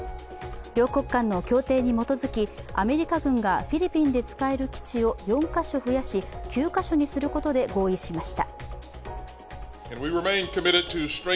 両国間の協定に基づきアメリカ軍がフィリピンで使える基地を４か所増やし、９か所にすることで合意しました。